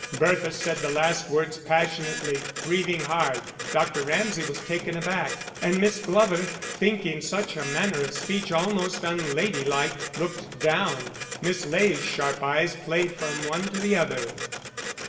Bertha said the last words passionately, breathing hard. Dr. Ramsay was taken aback, and Miss Glover, thinking such a manner of speech almost unladylike, looked down. Miss Ley's sharp eyes played from one to the other.